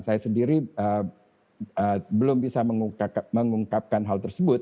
saya sendiri belum bisa mengungkapkan hal tersebut